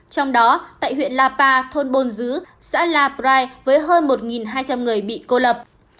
trong đó tại huyện lapa thôn bồn dứ xã la prai với hơn một hai trăm linh người bị cô lập